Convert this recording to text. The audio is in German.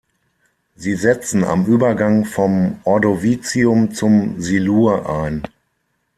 Sie setzen am Übergang vom Ordovizium zum Silur ein.